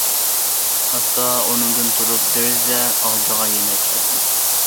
ئاستا ئورنۇمدىن تۇرۇپ دېرىزە ئالدىغا يەنە كەلدىم.